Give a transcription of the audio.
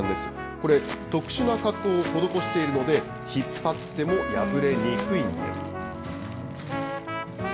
これ、特殊な加工を施しているので、引っ張っても破れにくいんです。